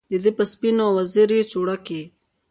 دده په سپینواوزري څڼوکې